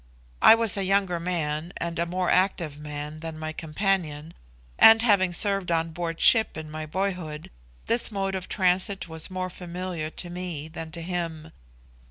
I was a younger man and a more active man than my companion, and having served on board ship in my boyhood, this mode of transit was more familiar to me than to him.